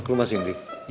ke rumah cindy